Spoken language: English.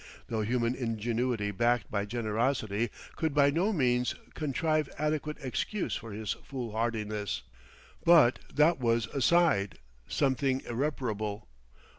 though human ingenuity backed by generosity could by no means contrive adequate excuse for his foolhardiness. But that was aside, something irreparable.